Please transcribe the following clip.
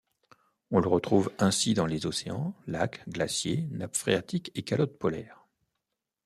On le retrouve ainsi dans les océans, lacs, glaciers, nappes phréatiques et calottes polaires.